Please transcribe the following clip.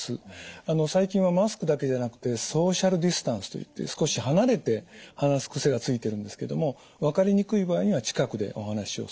あの最近はマスクだけじゃなくてソーシャルディスタンスといって少し離れて話す癖がついてるんですけども分かりにくい場合には近くでお話をすると。